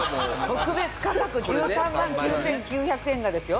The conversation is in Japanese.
特別価格１３万９９００円がですよ？